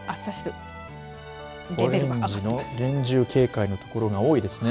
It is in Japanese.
オレンジの厳重警戒の所が多いですね。